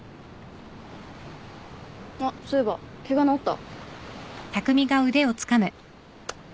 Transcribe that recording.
あっそういえばケガ治った？